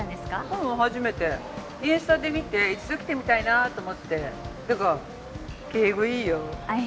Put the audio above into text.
ううん初めてインスタで見て一度来てみたいなあと思ってってか敬語いいよあっいや